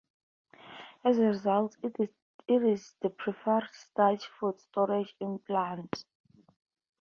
As a result, it is the preferred starch for storage in plants.